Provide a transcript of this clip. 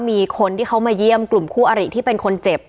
มีคนที่เขามาเยี่ยมกลุ่มคู่อริที่เป็นคนเจ็บ